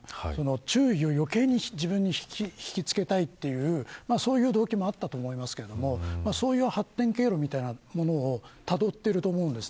注意をよけいに自分に引きつけたいというそういう動機もあったと思いますがそういう発展経路みたいなものをたどっていると思うんです。